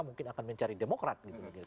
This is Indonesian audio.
mungkin akan mencari demokrat gitu